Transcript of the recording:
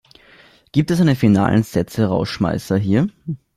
Gibt es einen finalen Sätzerausschmeißer hier?